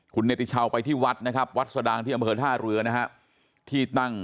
คุณเนติชาวไปที่วัดนะครับวัดสดางที่อำเภอท่าเรือนะฮะที่ตั้ง